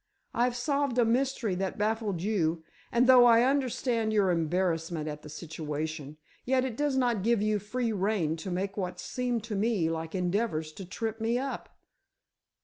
I've solved a mystery that baffled you, and though I understand your embarrassment at the situation, yet it does not give you free rein to make what seem to me like endeavors to trip me up!"